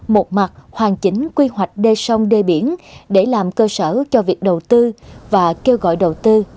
một mặt hoàn chỉnh quy hoạch đê sông đê biển để làm cơ sở cho việc đầu tư và kêu gọi đầu tư